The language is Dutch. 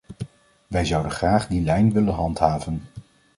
Wij zouden graag die lijn willen handhaven.